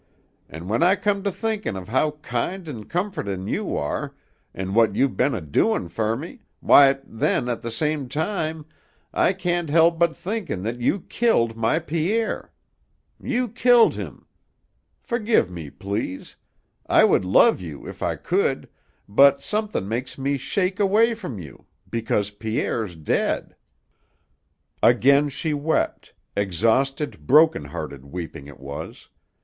An' when I come to thinkin' of how kind an' comfortin' you are an' what you've been a doin' fer me, why, then, at the same time, I can't help but thinkin' that you killed my Pierre. You killed him. Fergive me, please; I would love you if I could, but somethin' makes me shake away from you because Pierre's dead." Again she wept, exhausted, broken hearted weeping it was.